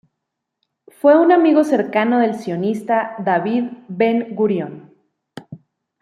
Fue un amigo cercano del sionista David Ben-Gurión.